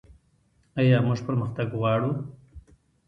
آیا موږ پرمختګ غواړو؟